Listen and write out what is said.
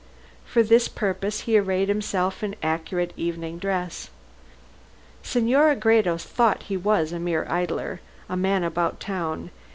For this purpose he arrayed himself in accurate evening dress. Senora Gredos thought he was a mere idler, a man about town.